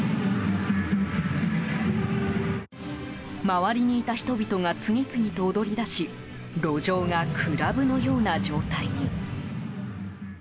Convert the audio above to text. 周りにいた人々が次々と踊り出し路上がクラブのような状態に。